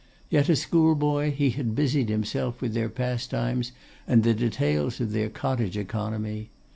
Yet a schoolboy, he had busied himself with their pastimes and the details of their cottage economy.